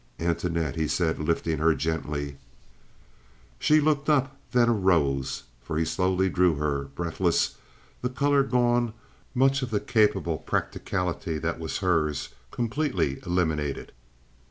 "Antoinette," he said, lifting her gently. She looked up, then arose—for he slowly drew her—breathless, the color gone, much of the capable practicality that was hers completely eliminated.